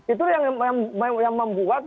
itu yang membuat